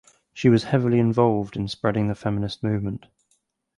She was heavily involved in spreading the feminist movement.